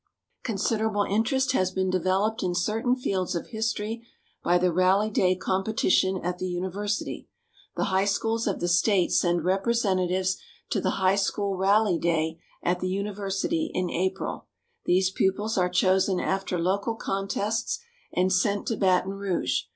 Considerable interest has been developed in certain fields of history by the Rally Day competition at the University. The high schools of the State send representatives to the High School Rally Day at the University in April. These pupils are chosen after local contests and sent to Baton Rouge.